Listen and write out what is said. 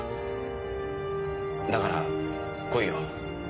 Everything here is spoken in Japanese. だから来いよ。